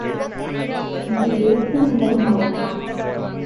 இது வேற்றுநிலை மயக்கம்.